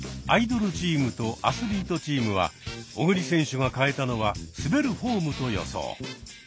アイドルチームとアスリートチームは小栗選手が変えたのは「滑るフォーム」と予想。